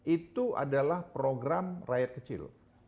itu adalah program rakyat kecil